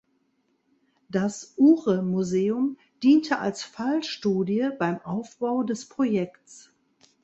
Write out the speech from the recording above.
Das "Ure Museum" diente als Fallstudie beim Aufbau des Projekts.